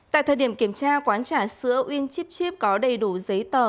tại thời điểm kiểm tra quán trà sữa winchipchip có đầy đủ giấy tờ